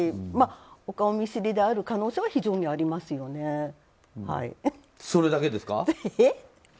顔見知りである可能性はそれだけですか？